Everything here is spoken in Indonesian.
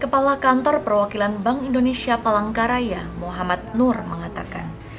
kepala kantor perwakilan bank indonesia palangkaraya muhammad nur mengatakan